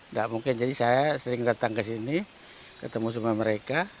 nggak mungkin jadi saya sering datang ke sini ketemu sama mereka